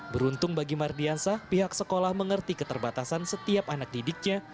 beruntung bagi mardiansah pihak sekolah mengerti keterbatasan setiap anak didiknya